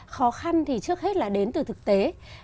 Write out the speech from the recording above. khó khăn thì trước hết là đến từ thực tế